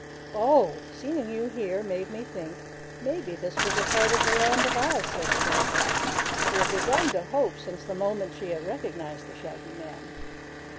"Oh! Seeing you here made me think maybe this was a part of the Land of Oz," said Twink, who had begun to hope since the moment she had recognized the Shaggy Man.